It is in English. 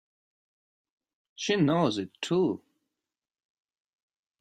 She knows it too!